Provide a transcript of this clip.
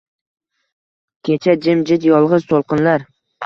Kecha jim-jit, yolg’iz to’lqinlar